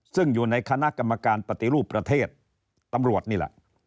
ซึ่งอยู่ในคณะกรรมการปฏิรูปประเทศตำรวจนี่แหละ